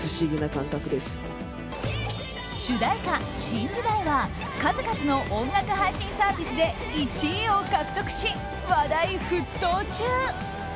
「新時代」は数々の音楽配信サービスで１位を獲得し、話題沸騰中。